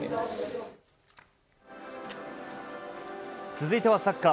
続いてはサッカー。